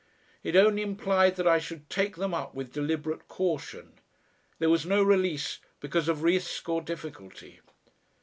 It only implied that I should take them up with deliberate caution. There was no release because of risk or difficulty.